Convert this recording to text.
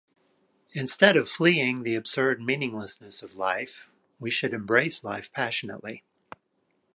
Instead of fleeing the absurd meaninglessness of life, we should embrace life passionately.